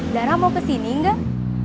dara mau kesini gak